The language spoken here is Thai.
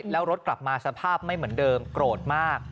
แล้วรถกลับมาสภาพไม่เหมือนเดิมโกรธมาก